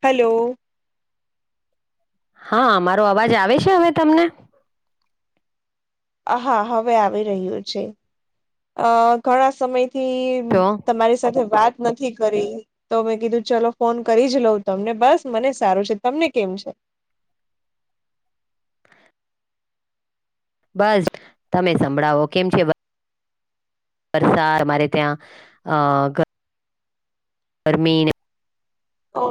Hello. હા અમારો અવાજ આવે છે, હવે તમને. હ હા, હવે આવી રહ્યું છે, અ ઘણા સમય થી, તો તમારી સાથે વાત નથી. કરી તો મેં કીધું ચલો ફોન કરી જ લઉં તમને બસ મને સારું છે, તમને કેમ છે. [inaudible] બસ તમે સંભળાવો કેમ છે. વરસાદ મારે ત્યા અ બરમીને હ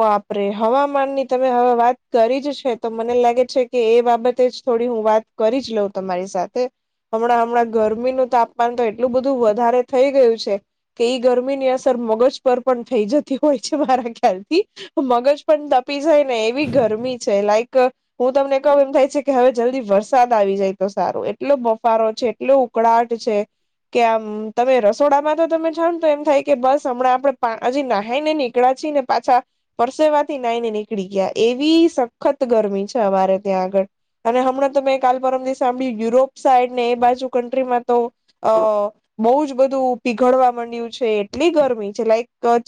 વાપરે હવામાન ની તમે હવે વાત કરી જ છે. તો મને લાગે છે, કે એ બાબતે જ થો થડી હુ, વાત કરી જ લઉ તમારી સાથે હમણા, હમણા ગરમીનુ તાપમાન તો એટલુ બધુ વધારે થઈ ગયુ છે, કે ઈ ગરમી ની અસર મગજ, પર પણ થઈ જતી હોય છે. મારા ખ્યાલથી મગજ પણ તપી જાય ને એવી ગરમી છે, લાઈક હુ તમને કહું એમ થાય છે, કે હવે જલ્દી વરસાદ આવી જાય તો સારો એટલો બફારો છે, એટલો ઉકળાટ છે. કે આમ તમે રસોડામાં તો તમે [unintelligible] ને તો એમ થાય કે બસ હમણાં. નાઈ ને નીકળા [unintelligible] ને પાછા પરસેવાથી નાઈ ને નીકળી ગયા એવી સખત ગરમી છે. તમારે ત્યાં આગળ. અને હમણાં તો મેં કાલ પરમ સાંભળ્યું યુરોપ સાઈડ ને એ બાજુ કન્ટ્રીમાં તો [unintelligible] બઉ જ બધું પીઘળવા માંડ્યું છે એટલી.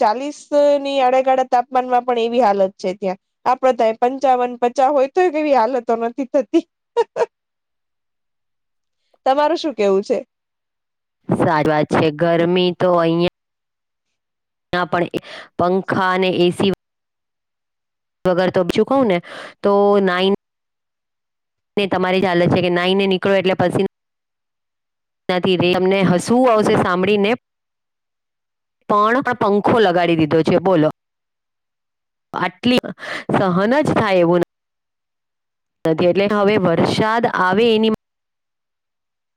ચાલીસ ની આડેગાળા તાપમાનમાં પણ એવી હાલત છે, ત્યાં આપડ થ પંચાવન પચાવન. [unintelligible] કેવી હાલતો નથી થતી. [inaudible] તમારું શું કેવું છે. [unintelligible] વાત છે, ગરમી તો અહિયાં. ત્યાં પણ પંખા અને એસી. વગર તો બીજું કવ ને તો નાઈન. ને તમારી જ હાલત છે, કે નાઈને નીકળો એટલે પછી. [unintelligible] તમને હસવું આવશે સાંભળીને. પણ પંખો લગાડી દીધો છે, બોલો. આટલી સહન જ થાય એવું નથી એટલે હવે વરસાદ આવે એની.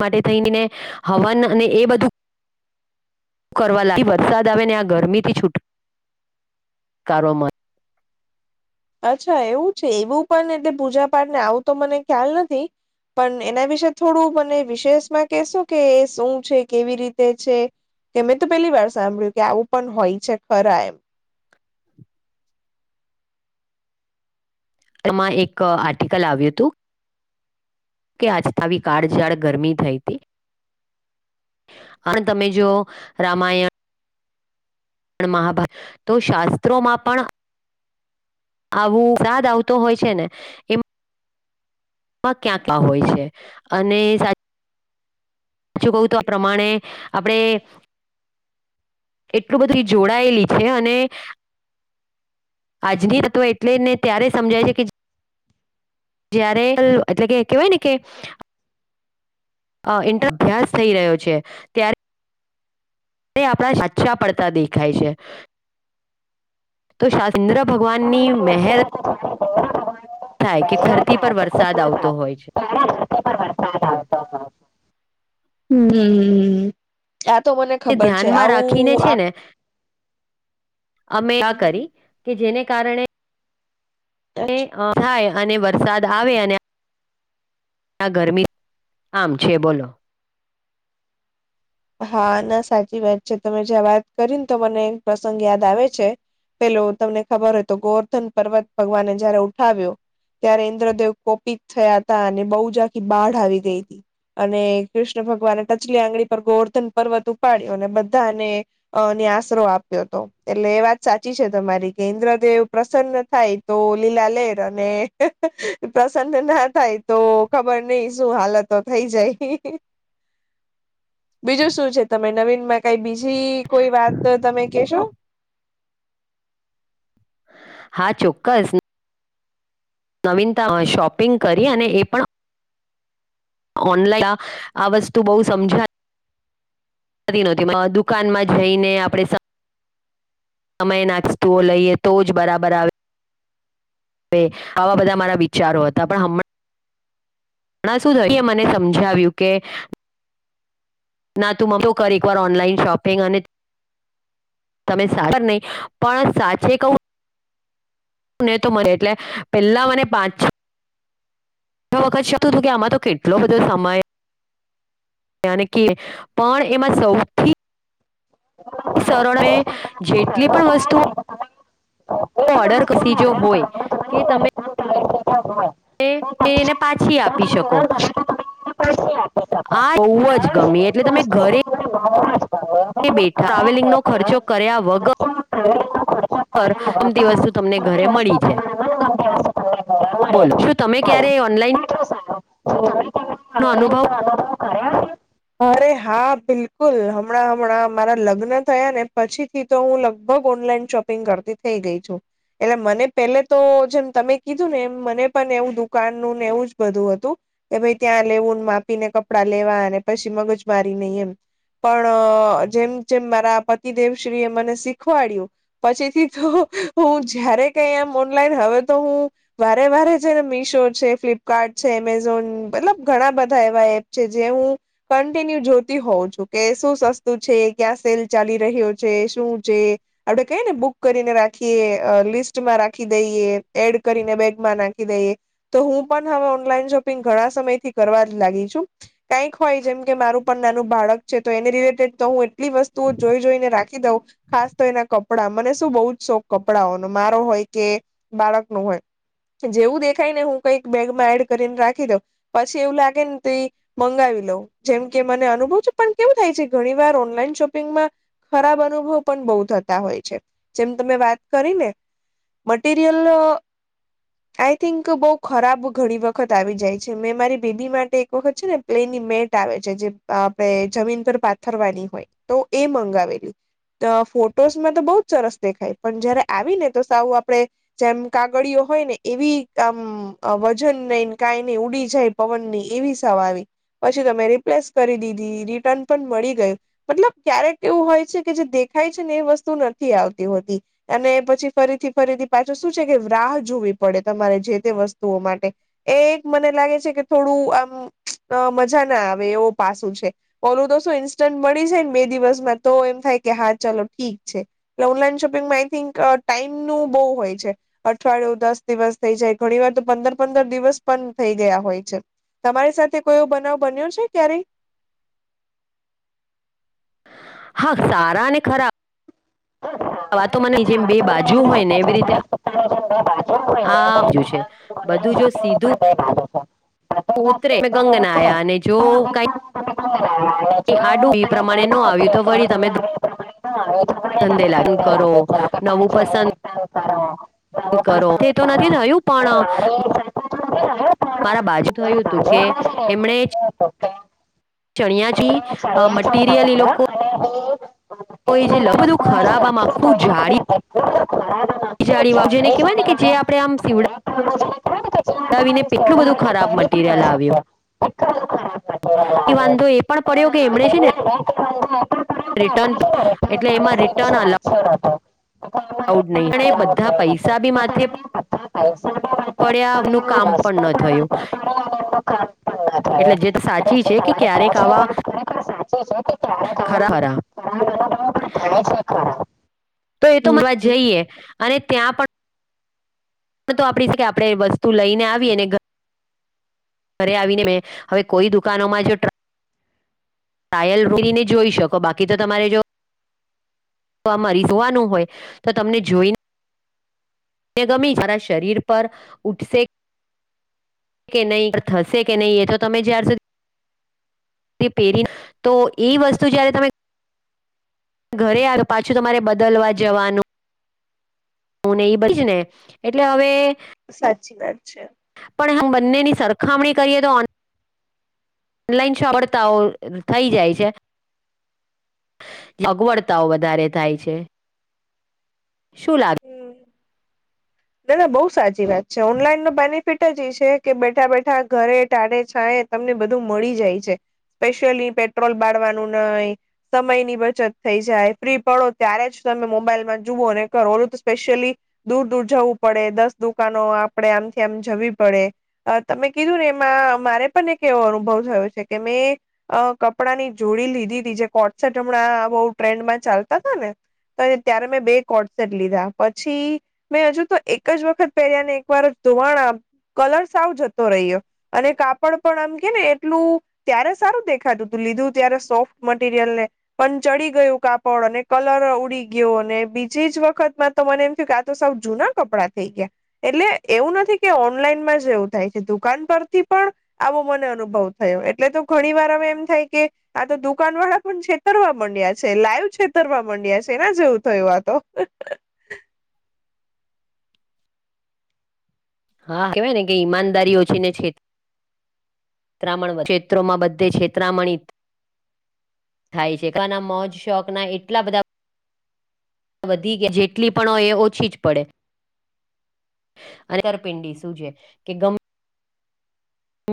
માટે [unintelligible] હવન અને એ બધું. શું કરવા લાગી વરસાદ આવે ને આ ગરમીથી છૂટ. કારોમાં. અચ્છા એવું છે, એવું પણ એટલે પૂજા પાઠ ને આવું તો મને ખ્યાલ નથી. પણ એના વિશે થોડું મને વિશેષમાં કેહેશો કે શું છે, કેવી રીતે છે. કે મેં તો પેલી વાર સાંભળ્યું કે આવું પણ હોય છે, ખરા એમ તેમાં એક આર્ટિકલ આવ્યું હતું. કે આજ થ આવી કાળઝાળ ગરમી થઈ હતી. અને તમે જો રામાયણ. પણ મહાભારત તો શાસ્ત્રોમાં પણ. આવું [unintelligible] આવતો હોય છે, ને એમાં. ક્યાં ક્યા હોય છે, અને સાચ. પાછું કહું તો આ પ્રમાણે આપણે. એટલું બધું જોડાયેલી છે અને. આજની તત્ત્વો એટલે ને ત્યારે સમજાય છે કે. જયારે એટલે કે કેવાય ને કે. અ ઇન્ટર અભ્યાસ થઈ રહ્યો છે ત્યારે. તે આપણા સાચા પડતા દેખાય છે તો. ઇન્દ્ર ભગવાનની મહેર. થાય કે ખરતી પર વરસાદ આવતો હોય છે. હમ્મ હમમ, આ તો મને એ ખબર છે, ધ્યાનમાં રાખીને આવું છે ને અમે આ હમ હમ કરી કે જેને કારણે. થાય અને વરસાદ આવે અને. આ ગરમી આમ છે, બોલો. હા ના સાચી વાત છે, તમે જ્યાં વાત કરીને તો મને એક પ્રસંગ યાદ આવે છે. પેલો તમને ખબર હોય તો ગોવર્ધન પર્વત ભગવાને જયારે ઉઠાવ્યો. ત્યારે ઇન્દ્રદેવ કોપિત થયા હતા અને બહુજખી બાઢ આવી ગઈ હતી. અને કૃષ્ણ ભગવાન ટચલી આંગળી. ગોવર્ધન પર્વત ઉપાડ્યો અને બધાને અ નિયા આશરો આપ્યો હતો એટલે એ વાત સાચી. છે, તમારી કે ઇન્દ્રદેવ પ્રસન્ન થાય તો લીલા લેર અને પ્રસન્ન. ના થાય તો ખબર નઈ શું હાલતો થઈ જાય. [unintelligible] [inaudible] બીજું શું છે તમે નવીનમાં કઈ બીજી કોઈ વાત તમે કેશો? હા ચોક્કસ. નવીનતા શોપિંગ કરી અને એ પણ. ઓનલાઈન આ વસ્તુ બહુ સમજાય. તી નહોતી દુકાનમાં જઈને આપણે. સમય નાસ્તુઓ લઈએ તો જ બરાબર આવે‌‌. હવે આવા બધા મારા વિચારો હતા પણ હમણાં. ઘણા શું થયું એ મને સમજાવ્યું કે. ના તું મતો કર એકવાર ઓનલાઈન શોપિંગ અને. તમે સાર નહી પણ સાચે કવું. શું ને તો મને એટલે પેલા મને પાંચ છે. હ વખત શકતું હતું કે આમાં તો કેટલો બધો સમય. કે પણ એમાં સૌથી. શરળોએ બોલો કેટલું જેટલી સારું તમે પણ તમે વસ્તુઓ. ઓનલાઈન ઓર્ડર કસીજો હોય કે તમે. એ એને પાછી આપી શકો. આ બહુ જ ગમે એટલે તમે ઘરે તે બેઠા ટ્રાવેલિંગનો ખર્ચો કર્યા વગર. પર અમતી વસ્તુ તમને ઘરે મળી જાય.. બોલો શું તમે ક્યારેય ઓનલાઈન. નો અનુભવ. કર્યા છે અરે હા બિલકુલ હમણાં હમણાં મારા લગ્ન થયા ને પછી થી તો હું લગભગ ઓનલાઈન. શોપિંગ કરતી થઈ ગઈ છું. એટલે મને પેલે તો જેમ તમે કીધું ને એમ મને પણ એવું દુકાનનું ને એવું જ બધું હતું. કે ભઈ ત્યાં લેવુંને માપીને કપડાં લેવા અને પછી મગજ મારી નઇ એમ. પણ જેમ જેમ મારા પતિદેવશ્રી એ મને શીખવાડ્યું, પછીથી તો. હું જયારે કઈ એમ ઓનલાઈન હવે તો હું વારે વારે છેને મીશો છે ફ્લિપકાર્ટ. ઘણા બધા એવા એ છે જે હું. જોતી હોઉ છું કે શું સસ્તું છે ક્યાં સેલ ચાલી રહ્યો છે શું છે. આપડે કઈ ને બુક કરીને રાખીએ લિસ્ટમાં રાખી દઈએ એડ કરીને બેગ માં નાખી દઈએ. તો હું પણ હવે ઓનલાઈ શપિંગ ઘણા સમયથી કરવા જ લાગી છું કઈક હોય જેમ કે મારું પણ નાનું બાળક છે તો એની રીલેટેડ તો હું એટલી વસ્તુઓ જોઈ જોઈને રાખી દઉં ખાસ તો એના કપડા મને શું બહુ જ શોખ કપડાઓનો. મારો હોય કે બાળક નું હોય. જેવું દેખાય ને હું કઈક બેગમાં એડ કરીને રાખી દઉ પછી એવું લાગે ને તો મંગાવી લઉં. જેમ કે મને અનુભવ છે પણ કેવું થાય છે ઘણી વાર ઓનલાઈન શોપિંગમાં ખરાબ અનુભવ પણ બહુ થતા હોય છે જેમ તમે વાત કરી ને. મટીીરયલ્. આઈ થિંક બહ ખરાબ ઘણી વખત આવી જાય છે મેં મારી બેબી માટે એક વખત છે ને પ્લેનની મેટ. આવે છે જે આપણે જમીન પર પાથરવાની હોય તો એ મંગાવેલી. ફોટોસમાં તો બહ જ સરસ દેખાય પણ જયારે આવી ને તો સાવ આપણે જેમ કાગળઓ. હોય ને એવી આ વજન નહીને કઈ નઈ ઉડી જાય પવન ની એવી સા આવી પછી. પ તમે રિપ્લેસ કરી દીધી રિટર્ન પણ મળી ગયું મતલબ ક્યારેક એવું હોય છે કે જે દેખાય. ને એ વસ્તુ નથી આવતી હોતી અને પછી ફરીથી ફરીથી પાછો શું છે કે રાહ જોવી પડ. તમા જે તે વસ્તુઓ માટે એ એક મને લાગે છે કે થોડું આમ મા. આવે એવું પાસું છે ઓલું તો શું ઇન્ટન મળી જાયને બે દિવસમાં તો એમ થાય કે હા ચાલો ઠીક છે એલે ઓનલાઈન શોપિંગમાં આઈ થિંક ટાઈમ નું બહુ હોય છે અઠવાડિયું દસ દિવસ થઈ જાય ઘણી વાર તો પંદર પંદર દિવસ પણ થઈ ગયા હોય છે તમારી સાથે કોઈ એવું બનાવ બનયો છે ક્યારે હા સારા ને ખરાબ. મારી સાથે આ વાતો મને જેમ બે તો નથી બાજુ રહ્યો હોય ને એવી રીતે પણ હાજુ છે બધું જો સીધું ઉતરે ગંગા નાયા અને જો કઈ અહીં આ ડું એ પ્રમાણે ન આવ્યું તો વળી તમે [unintelligible] કરો નવું પસંદ કરો એ તો નથી થયું પણ મારા બાજુ થયું હતું કે એમણે છે ને ચણિયા થી એમણે ચણિયા ચોળી મટિરિયલ એ મંગાવ્યા અને લોકો એ તો એ જે મટીરિયલ [unintelligible] લોકોએ જે ખરાબ લખ્યું આમાં હતું આખું એના બદલે જાળી. એટલું બધું ખરાબ અને આટલું જાળી જેને જાડી કહેવાય ને કે જે સાડીવાળું આપડે આમ શિવડા નેટ વાળું જેને કહેવાય ને કે જે આપણે ને આમ એટલું બધું સેવડાવીને ખરાબ પહેરી પણ મટીરીયલ ના આવ્યું. શકીએ એટલું બધું ખરાબ મટીરિયલ એ આવ્યું વાંધો એ પણ પડ્યો કે એમણે ને એમને નેટ વાંધો એટલો પડ્યો કે રિટર્ન એમણે છે ને રિટર્ન એટલે એમાં પોલિસી રિટર્ન વિશે અલાઉ વાંચ્યું નહોતું ગામમાં નહીં રહેતા અણે લાભ બધા થયો હતો પૈસા બી એ માથે કારણે બધા પૈસા બી વાતે પડ્યા નું પડ્યા કામ વસ્તુ પણ ન થયું. વાતે પડી અને એમનું કામ પણ ન થયું એટલે જે સાચી જે છે કે તમારી ક્યારેક પહોંચ એ આવા વાત ખરેખર ખરા ખરા [inaudible] અનુભવો પણ થાય છે [unintelligible] ખરા તો એ તો [unintelligible] હમ જઈએ અને ત્યાં પણ પણ તો આપણી કે આપણે વસ્તુ લઈને આવી અને ઘરે આવીને મેં હવે કોઈ દુકાનોમાં જો ટ્રક ટાયલ રોકીને જોઈ શકો બાકી તો તમારે જો તો આમારી જોવાનું હોય તો તમને જોઈને અને ગમી જરા શરીર પર ઊઠસે કે નહીં થશે કે નહીં એ તો તમે જ્યાર સુધી પેરી તો એ વસ્તુ જયારે તમે ઘરે આવ્યો પાછું તમારે બદલવા જવાનું હું ને એ બધી ને એટલે હવે સાચી વાત છે. પણ હમ, બંનેની સરખામણી કરીએ તો ઓનલાઈન છ, વળતાઓ થઈ જાય છે. અગવડતાઓ વધારે થાય છે. શું લાગે દાદા બઉ સાચી વાત છે, ઓનલાઈન ન બેનિફિટ જ ઈ છે, કે બેઠા બેઠા ઘરે ટાડે છાયે તમને બધું મળી જાય છે. સ્પેશિયલી પેટ્રોલ બાળવાનું નહીિ સમયની બચત થઈ, જાય ફ્રી પડો ત્યારે જ તમે મોબાઈલમાં જુઓ અને કરો ઓલું તો સ્પેશિયલી દૂર દૂર જવું. પડે દસ દુકાનો આપણેે આમથી આમ જવી પડે તમે કીધું ને એમાં મારે પણ કેવો અનુભવ થયો છે કે મેં કપડાંની જોડી લીધી તી જે કોટસેટ હમણાં બહું ટ્રેન્ડ માં ચાલતા ને તો ત્યારે મેં બે કોડ સેટ લીધા પછી મે હજુ તો એક જ વખત પહેર્યા ને એક વાર જ ધોવાણા કલર સાવ જતો રહ્યો અને કાપડ પણ આમ કે ને એટલું ત્યારે સારું દેખાતું તું લીધું ત્યારે સોફ્ટ મટીરિયલ ને પણ ચડી ગયું એવું કાપડ અને કલર ઉડી ગયો અને બીજીજ વખત માં તો મને એમ થયું કે આ તો સા જૂના કપડા થઈ ગયા એટલે એવું નથી કે ઓનલાઈનમાં જ એવું થાય છે દુકાન પરથી પણ મને અનુભવ થયો એટલે તો ઘણી વાર એમ થાય, કે આ તો દુકાન વાળા પણ છે, તરવા માંડિયા જ લાઈવ છેતર મા મંડ્યા છે એના જેવુ થયું તો [inaudible] હા કેવાય ને કે ઈમાનદારી ઓછી ને છે. છેતરામ, ક્ષેત્રોમા બધે છેતરામણી થાય છેના, મોજ શોકના એટલા બધા વધી, જેટલી પણ હોય, એ ઓછી જ પડે અને તરપિંડી શું છે, કે ગમે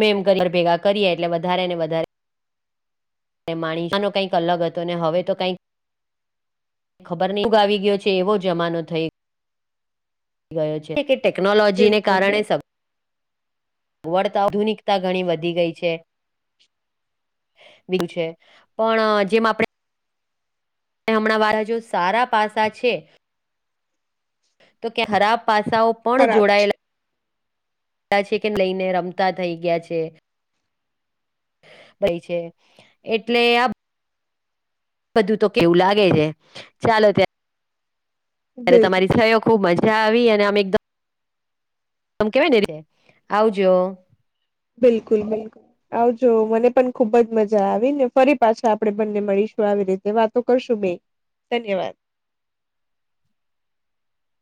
એમ કરી ઘર ભેગા કરીએ, એટલે વધારે ને વધારે માણીનો કંઈક અલગ હતો, ને હવે તો કંઈક ખબર નઈ ઉગ આવી ગયો છે, એવો જમાનો થઈ ગયો છે. ટેકનોલોજીને બિલકુલ કારણે સ. બિલકુલ વડતા આધુનિકતા ઘણી વધી ગઈ છે. બી છે પણ જેમાં આપણેે. અને હમણાં વારા જો સારા પાસા છે. તો કે હરાબ પાસાઓ પણ ખરાબ છે જોડાયેલા. છે કે લઈને રમતા થઈ ગયા છે. ભાઈ છે એટલે આ. બધું તો કેવું લાગે છે ચાલો ત્યાં. ત્યારે બિલકુલ તમારી થયો ખૂબ મજા આવી અને અમે એકદમ. આમ કેવાય નહી રે આવજો. બિલકુલ બિલકુલ આવજો મને પણ ખુબ જ મજા આવી ને ફરી પાછા આપડે બંને મળીશ. આવી રીતે વાતો કરશું બે ધન્યવાદ. [inaudible]